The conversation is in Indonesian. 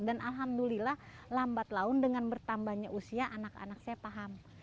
dan alhamdulillah lambat laun dengan bertambahnya usia anak anak saya paham